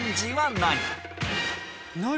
何？